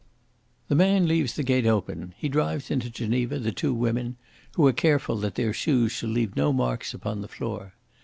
"The man leaves the gate open; he drives into Geneva the two women, who are careful that their shoes shall leave no marks upon the floor.